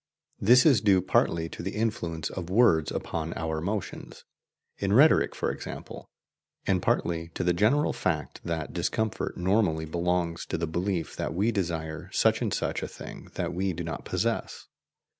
This is due partly to the influence of words upon our emotions, in rhetoric for example, and partly to the general fact that discomfort normally belongs to the belief that we desire such and such a thing that we do not possess.